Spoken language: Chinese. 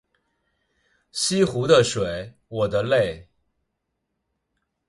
西湖的水我的泪